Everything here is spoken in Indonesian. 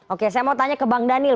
oke saya mau tanya ke bang daniel